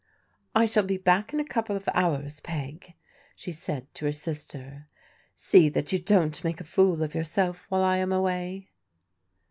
" I shall be back in a couple of hours, Peg," she said to her sister. " See that you don't make a fool of yourself while I am away."